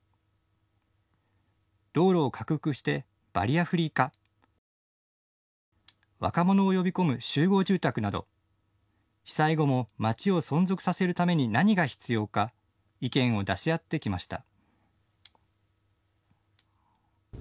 道路を拡幅してバリアフリー化、若者を呼び込む集合住宅など、被災後も街を存続させるために何が必要か意見を出し合ってきました。